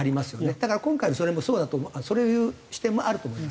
だから今回のそれもそうだとそういう視点もあると思いますね。